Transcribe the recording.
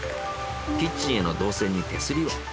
キッチンへの導線に手すりを。